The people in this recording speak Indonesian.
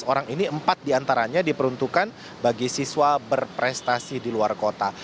lima belas orang ini empat diantaranya diperuntukkan bagi siswa berprestasi di luar kota